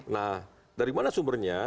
nah dari mana sumbernya